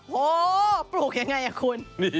โหปลูกยังไงอ่ะคุณ